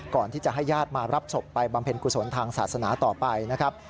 ก่อนที่จะให้ญาติมารับศพไปบำเพ็ญกุศลทางศาสนาต่อไปนะครับ